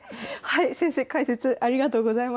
先生解説ありがとうございました。